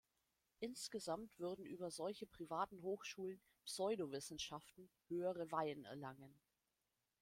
Insgesamt würden über solche privaten Hochschulen „Pseudowissenschaften“ höhere Weihen erlangen.